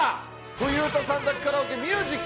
冬うた３択カラオケミュージック。